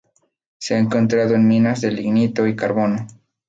Se ha encontrado en minas de lignito y carbón.